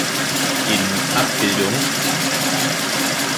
In "Abb.